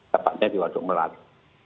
tepatnya di waduk melati